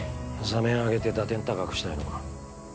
座面上げて打点高くしたいのか？